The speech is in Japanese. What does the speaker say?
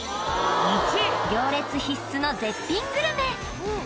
行列必須の絶品グルメ！